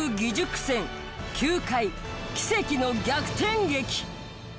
９回奇跡の逆転劇。